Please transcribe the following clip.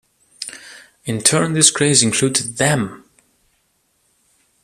In turn this craze included Them!